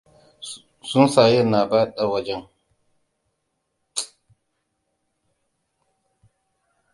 Tsuntsayen na bata wajen.